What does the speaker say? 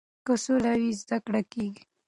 که سوله وي زده کړه کیږي.